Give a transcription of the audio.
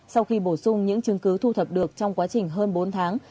sau khi bổ sung những chứng cứ thu thập được trong quá trình hơn bốn tháng